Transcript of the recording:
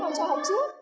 không ghép được mặt chữ